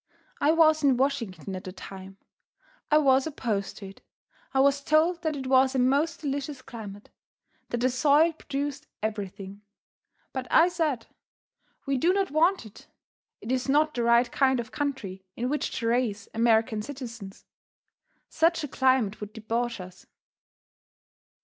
I was in Washington at the time. I was opposed to it I was told that it was a most delicious climate; that the soil produced everything. But I said: "We do not want it; it is not the right kind of country in which to raise American citizens. Such a climate would debauch us.